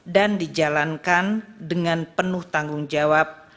dan dijalankan dengan penuh tanggung jawab